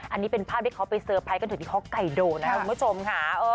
อันนี้เป็นภาพที่เขาไปเซอร์ไพรส์กันถึงที่ฮอกไกโดนะครับคุณผู้ชมค่ะ